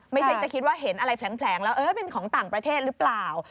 ไม่ใช่จะคิดว่าเห็นอะไรแผลงแล้วเป็นของต่างประเทศหรือเปล่า